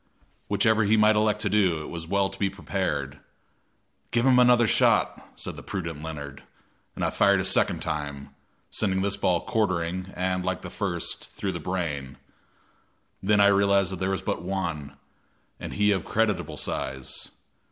Whichever he might elect to do, it was well to be prepared. "Give him another shot," said the prudent Leonard, and I fired a second time, sending this ball quartering and, like the first, through the brain; then I realized that there was but one, and he of creditable size.